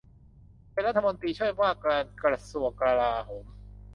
เป็นรัฐมนตรีช่วยว่าการกระทรวงกลาโหม